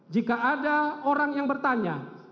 jika ada orang yang bertanya